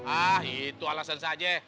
ah itu alasan saja